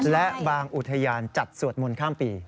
และบางอุทยานจัดสวดมนต์ข้ามปี